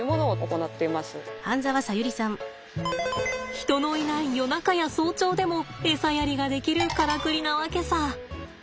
人のいない夜中や早朝でもエサやりができるからくりなわけさ。